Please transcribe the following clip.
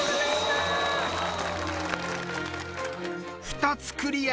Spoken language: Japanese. ２つクリア。